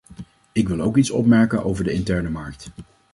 Ik wil ook iets opmerken over de interne markt.